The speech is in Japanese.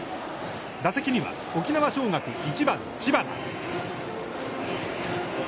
打席には、沖縄尚学、１番知花。